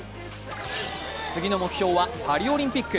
次の目標はパリオリンピック。